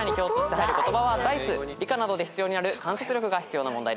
理科などで必要になる観察力が必要な問題でした。